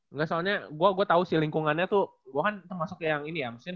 engga soalnya gua tau sih lingkungannya tuh gua kan termasuk yang ini ya maksudnya